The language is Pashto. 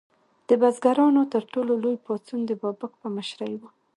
د بزګرانو تر ټولو لوی پاڅون د بابک په مشرۍ و.